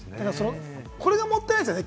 これがもったいないですね。